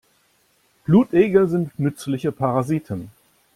Blutegel sind nützliche Parasiten.